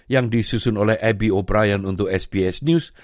yang disusun oleh abby o brien untuk sbs news